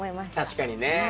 確かにね。